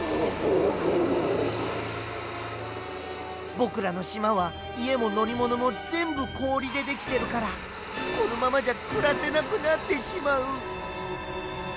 ぼくらのしまはいえものりものもぜんぶこおりでできてるからこのままじゃくらせなくなってしまう。